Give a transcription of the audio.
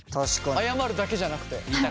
謝るだけじゃなくて。